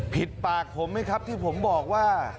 ปากผมไหมครับที่ผมบอกว่า